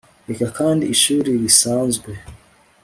reka kandi ishuri risanzwe